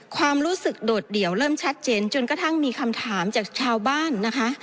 ความรู้สึกโดดเดี่ยวเริ่มชัดเจนจนกระทั่งมีคำถามจากชาวบ้านนะคะ